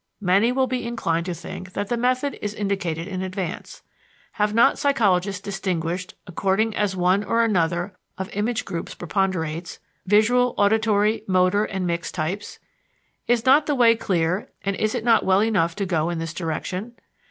Many will be inclined to think that the method is indicated in advance. Have not psychologists distinguished, according as one or another of image groups preponderates, visual, auditory, motor and mixed types? Is not the way clear and is it not well enough to go in this direction?